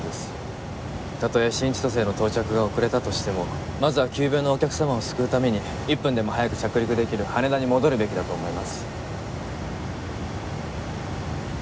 たとえ新千歳への到着が遅れたとしてもまずは急病のお客様を救うために１分でも早く着陸できる羽田に戻るべきだと思います。